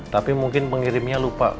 tapi mungkin pengirimnya lupa